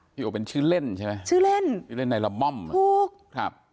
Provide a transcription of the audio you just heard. พี่โอเป็นชื่อเล่นใช่ไหมชื่อเล่นนายละม่อมถูก